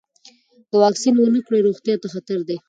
که واکسین ونه کړئ، روغتیا ته خطر دی.